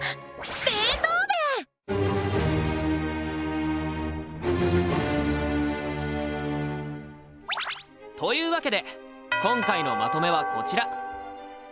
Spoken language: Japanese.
ベートーヴェン！というわけで今回のまとめはこちら！